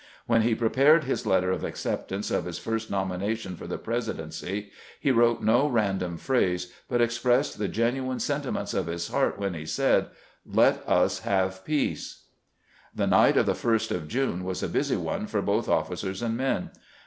When he prepared his letter of acceptance of his first nomination for the Presidency, he wrote no random phrase, but expressed the genuine sentiments of his heart, when he said, " Let us have peace." The night of the 1st of June was a busy one for both officers and men.